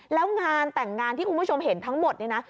แล้วงานแต่งงานที่คุณผู้ชมเห็นทั้งหมดเนี่ยนะ